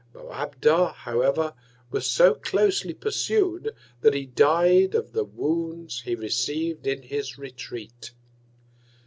Moabdar, however, was so closely pursu'd, that he dy'd of the Wounds he receiv'd in his Retreat.